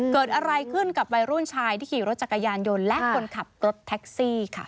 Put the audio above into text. เกิดอะไรขึ้นกับวัยรุ่นชายที่ขี่รถจักรยานยนต์และคนขับรถแท็กซี่ค่ะ